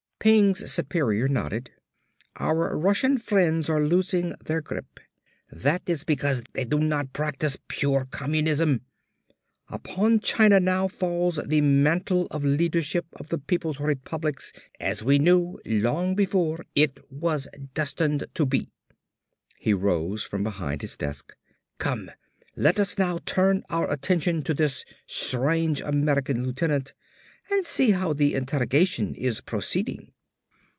Peng's superior nodded. "Our Russian friends are losing their grip. That is because they do not practice pure Communism. Upon China now falls the mantle of leadership of the people's republics as we knew, long before, it was destined to be." He rose from behind his desk. "Come, let us now turn our attention to this strange American lieutenant and see how the interrogation is proceeding."